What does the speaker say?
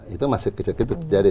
itu masih kecil kecil terjadi